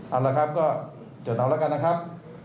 เอาละครับก็จดเอาแล้วกันนะครับ